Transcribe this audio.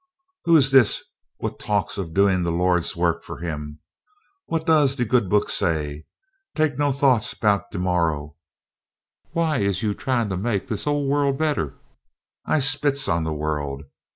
"Who is dis what talks of doing the Lord's work for Him? What does de good Book say? Take no thought 'bout de morrow. Why is you trying to make dis ole world better? I spits on the world!